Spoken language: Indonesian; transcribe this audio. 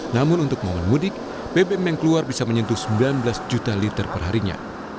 namun untuk momen mudik bbm yang keluar bisa menyentuh sembilan belas juta liter perharinya